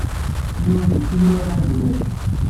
Yiwen deg-sen ur d aneblal.